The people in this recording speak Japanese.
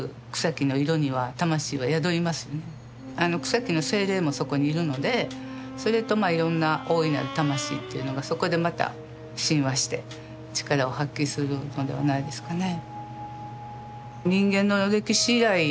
草木の精霊もそこにいるのでそれといろんな大いなる魂というのがそこでまた親和して力を発揮するのではないですかね。